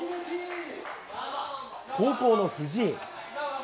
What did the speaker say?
後攻の藤井。